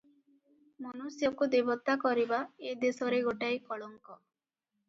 ମନୁଷ୍ୟକୁ ଦେବତା କରିବା ଏ ଦେଶରେ ଗୋଟାଏ କଳଙ୍କ ।